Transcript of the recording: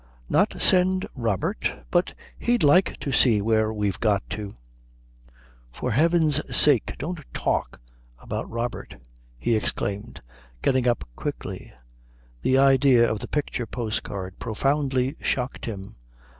Not send Robert but he'd like to see where we've got to." "For heaven's sake don't talk about Robert," he exclaimed, getting up quickly; the idea of the picture postcard profoundly shocked him.